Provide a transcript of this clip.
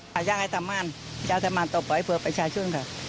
ประชาธิธรรมน์ประชาธิธรรมน์ตอบบ่อยเพื่อประชาชนค่ะ